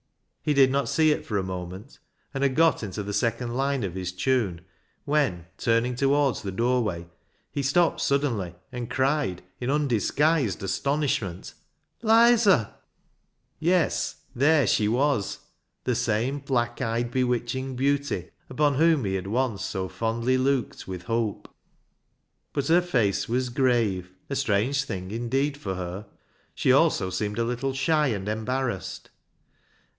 He did not see it for a moment, and had got into the second line of his tune, when, turning towards the doorway, he stopped ISAAC'S ANGEL 275 suddenly, and cried, in undisguised astonish ment —" Lizer !" Yes, there she was. The same black eyed, bewitching beauty upon whom he had once so fondly looked with hope. But her face was grave — a strange thing indeed for her. She also seemed a little shy and embarrassed.